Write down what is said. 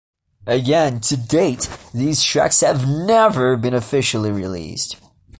Again, to date, these tracks have never been officially released.